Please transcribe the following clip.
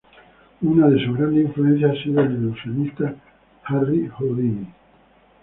Una de sus grandes influencias ha sido el ilusionista Harry Houdini.